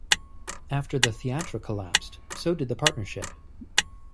After the theatre collapsed, so did the partnership.